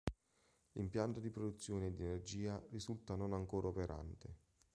L'impianto di produzione di energia risulta non ancora operante.